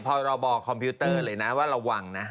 พรบคอมพิวเตอร์เลยนะว่าระวังนะ